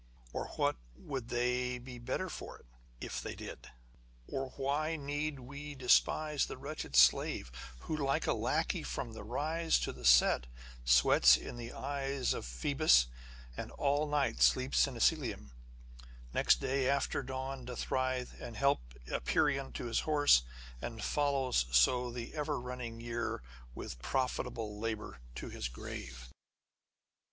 â€" or what would they be the better for it, if they did ? Or why need we despise The wretched slave, Who like a lackey, from the rise to the set, Sweats in the eye of Phoebus, and all night Sleeps in Elysium ; next day, after dawn, Doth rise, and help Hyperion to his horse ; And follows so the ever running year With profitable labour to his grave